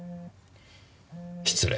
失礼。